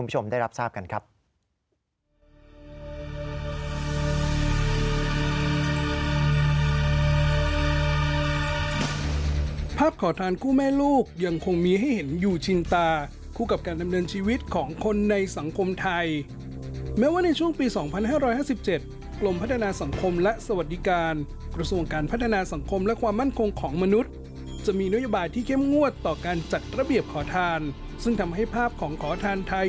คุณผู้ชมได้รับทราบกันครับ